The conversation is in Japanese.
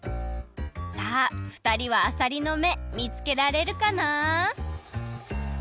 さあふたりはあさりの目見つけられるかな？